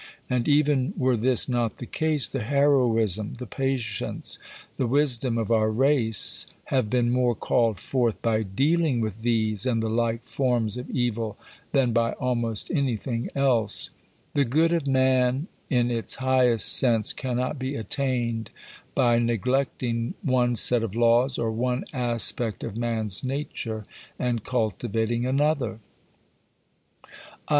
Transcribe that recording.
And, even were this not the case, the heroism, the patience, the wisdom of our race have been more called forth by dealing with these and the like forms of evil than by almost anything else. The good of man in its highest sense cannot be attained by neglecting one set of laws or one aspect of man's nature and cultivating another.